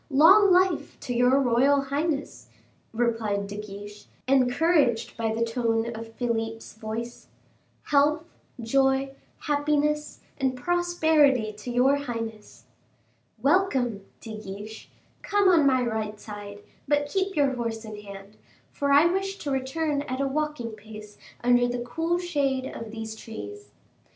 "Long life to your royal highness!" replied De Guiche, encouraged by the tone of Philip's voice; "health, joy, happiness, and prosperity to your highness." "Welcome, De Guiche, come on my right side, but keep your horse in hand, for I wish to return at a walking pace under the cool shade of these trees."